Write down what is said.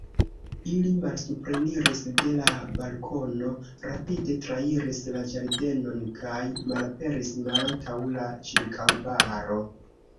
Ili malsupreniris de la balkono, rapide trairis la ĝardenon kaj malaperis malantaŭ la ĉirkaŭbaro.